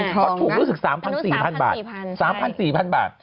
เขาถูกรู้สึก๓๐๐๐๔๐๐๐บาท